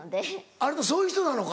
あなたそういう人なのか。